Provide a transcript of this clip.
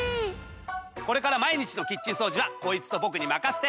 これから毎日のキッチン掃除はこいつと僕に任せて！